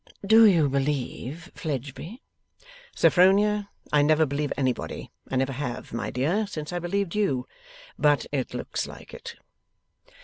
'Do you believe Fledgeby?' 'Sophronia, I never believe anybody. I never have, my dear, since I believed you. But it looks like it.